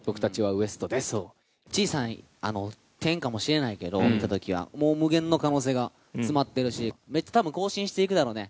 小さい点かもしれないけど、もう無限の可能性が詰まってるし、たぶん更新していくだろうね。